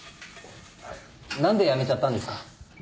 何で辞めちゃったんですか？